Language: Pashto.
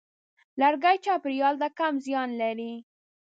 لرګی چاپېریال ته کم زیان لري.